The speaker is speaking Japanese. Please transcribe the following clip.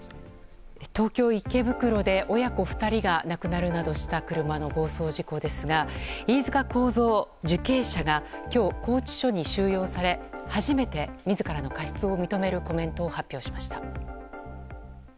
東京・池袋で親子２人が亡くなるなどした車の暴走事故ですが飯塚幸三受刑者が今日拘置所に収容され初めて自らの過失を認めるコメントを発表しました。